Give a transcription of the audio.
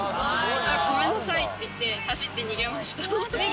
ごめんなさいって言って、走って逃げました。